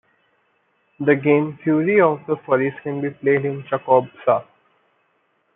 The game Fury of the Furries can be played in Chakobsa.